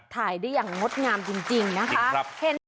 ถ่ายได้อย่างงดงามจริงนะคะ